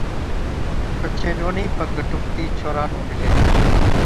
پڇي ڏونهِين پگ ٽُڪتِي ڇوهران نُون ڏِلَي،